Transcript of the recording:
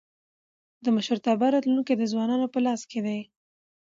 د مشرتابه راتلونکی د ځوانانو په لاس کي دی.